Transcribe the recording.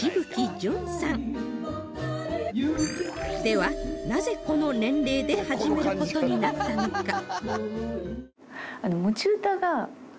ではなぜこの年齢で始める事になったのか？